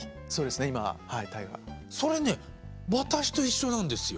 それね私と一緒なんですよ。